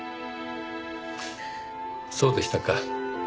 そうでしたか。